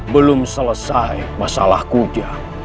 belum selesai masalah kubur